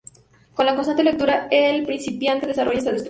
Con la constante lectura, el principiante desarrolla esa destreza.